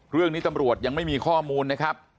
เรื่องนี้ตำรวจยังไม่มีข้อมูลนะครับ